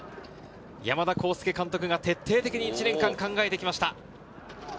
山田耕介監督が徹底的に１年間、考えて来ました。